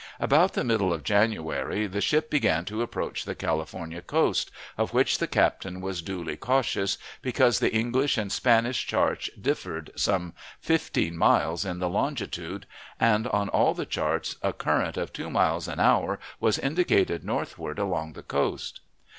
About the middle of January the ship began to approach the California coast, of which the captain was duly cautious, because the English and Spanish charts differed some fifteen miles in the longitude, and on all the charts a current of two miles an hour was indicated northward along the coast.